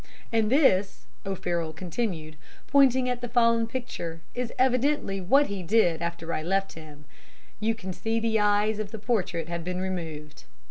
And this,' O'Farroll continued, pointing at the fallen picture, 'is what he evidently did after I left him. You can see the eyes of the portrait have been removed.'